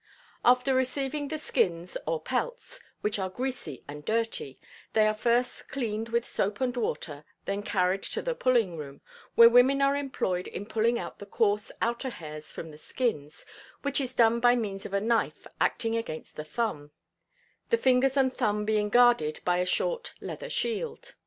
After receiving the "skins" or "pelts," which are greasy and dirty, they are first cleaned with soap and water, then carried to the "pulling room," where women are employed in pulling out the coarse outer hairs from the skins, which is done by means of a knife acting against the thumb, the fingers and thumb being guarded by a short leather shield.